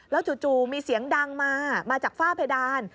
จู่มีเสียงดังมามาจากฝ้าเพดาน